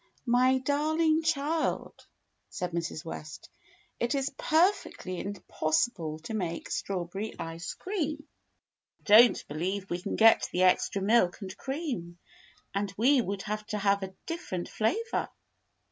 "My darling child," said Mrs. West, "it is per fectly impossible to make strawberry ice cream. I 92 THE BLUE AUNT don't believe we can get the extra milk and cream, and we would have to have a different flavor.